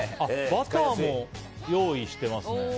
バターも用意していますね。